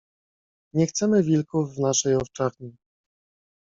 "Nie chcemy wilków w naszej owczarni."